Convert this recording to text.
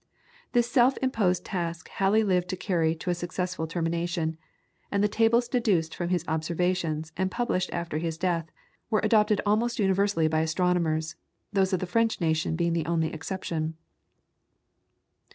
This self imposed task Halley lived to carry to a successful termination, and the tables deduced from his observations, and published after his death, were adopted almost universally by astronomers, those of the French nation being the only exception.